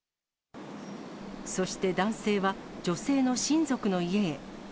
そして男性は、女性の親族の家へ。